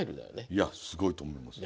いやすごいと思います。